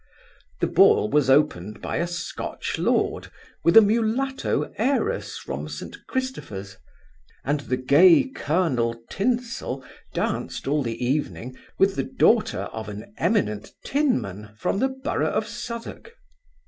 The ball was opened by a Scotch lord, with a mulatto heiress from St Christopher's; and the gay colonel Tinsel danced all the evening with the daughter of an eminent tinman from the borough of Southwark.